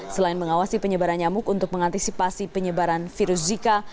selain mengawasi penyebaran nyamuk untuk mengantisipasi penyebaran virus zika